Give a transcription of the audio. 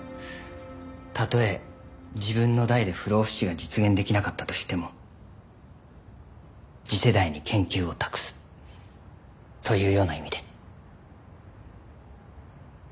たとえ自分の代で不老不死が実現できなかったとしても次世代に研究を託すというような意味で。